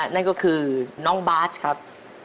นั่นก็คือน้องบาสครับ